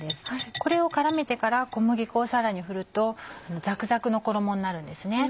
これを絡めてから小麦粉をさらに振るとザクザクの衣になるんですね。